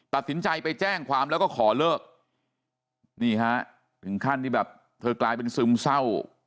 ตัดสินใจไปแจ้งความแล้วก็ขอเลิกนี่ฮะถึงขั้นที่แบบเธอกลายเป็นซึมเศร้า